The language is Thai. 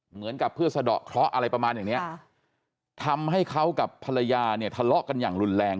เหมือนกับเพื่อสะดอกเคราะห์อะไรประมาณอย่างเนี้ยทำให้เขากับภรรยาเนี่ยทะเลาะกันอย่างรุนแรง